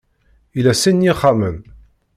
Ila sin n yixxamen.